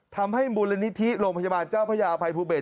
ทำให้มูลนิธิโรงพยาบาลเจ้าพระยาอภัยภูเบศ